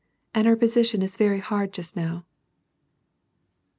and her posi tion is Yeiy hard just now."